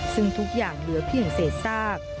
ซึ่งทุกอย่างเหลือเพียงเศษซาก